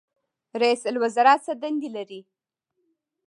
رئیس الوزرا څه دندې لري؟